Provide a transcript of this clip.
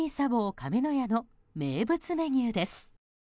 かめのやの名物メニューです。